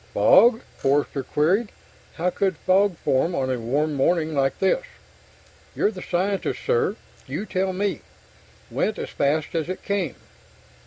"Fog?" Forster queried. "How could fog form on a warm morning like this?" "You're the scientist, sir. You tell me. Went as fast as it came."